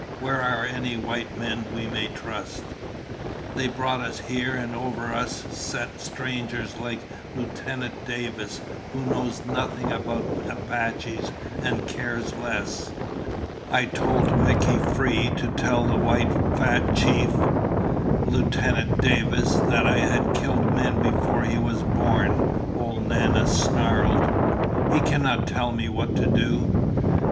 Where are any white men we may trust? They brought us here and over us set strangers like Lieutenant Davis, who knows nothing about Apaches and cares less." "I told Mickey Free to tell the fat white chief, Lieutenant Davis, that I had killed men before he was born!" old Nana snarled. "He cannot tell me what to do!"